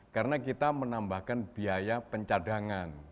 karena kita menambahkan biaya pencadangan